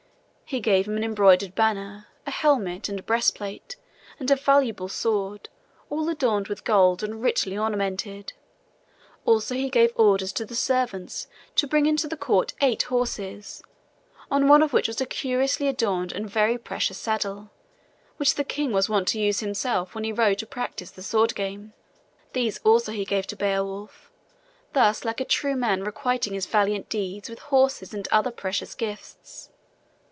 He gave him an embroidered banner, a helmet and breastplate, and a valuable sword, all adorned with gold and richly ornamented. Also he gave orders to the servants to bring into the court eight horses, on one of which was a curiously adorned and very precious saddle, which the king was wont to use himself when he rode to practice the sword game. These also he gave to Beowulf, thus like a true man requiting his valiant deeds with horses and other precious gifts.